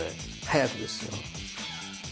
早くですよ。